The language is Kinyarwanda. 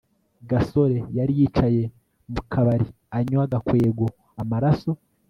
gasore yari yicaye mu kabari anywa gakwego amaraso